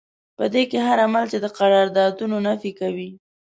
په دې کې هر عمل چې د قراردادونو نفي کوي.